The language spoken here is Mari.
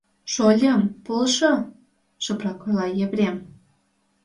— Шольым, полшо, — шыпрак ойла Епрем.